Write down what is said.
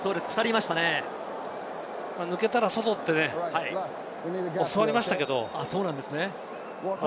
抜けたら外って教わりましたけど。